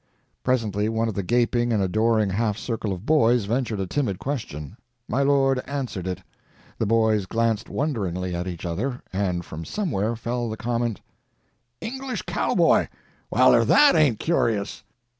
Presently one of the gaping and adoring half circle of boys ventured a timid question. My lord answered it. The boys glanced wonderingly at each other and from somewhere fell the comment: "English cowboy! Well, if that ain't curious."